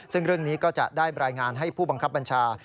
ซึ่งเรื่องนี้ก็จะได้รายงานให้ผู้บังคับบัญชา